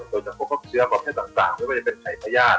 โดยเฉพาะเชื้อประเภทต่างไม่ว่าจะเป็นไข่พญาติ